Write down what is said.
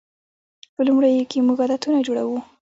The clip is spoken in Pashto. په لومړیو کې موږ عادتونه جوړوو.